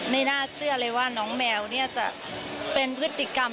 ไม่น่าเชื่อเลยว่าน้องแมวเนี่ยจะเป็นพฤติกรรม